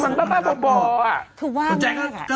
สนใจก็ทักมาได้นะครับ